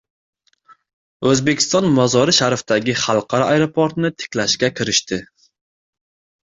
O‘zbekiston Mozori Sharifdagi xalqaro aeroportni tiklashga kirishdi